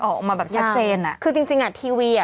ออกมาแบบชัดเจนอ่ะคือจริงจริงอ่ะทีวีอ่ะ